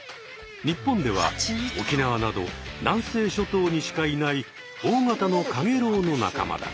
日本では沖縄など南西諸島にしかいない大型のカゲロウのなかまだ。